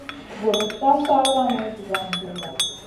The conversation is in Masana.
Vurutn ka sarkanu dugan zida.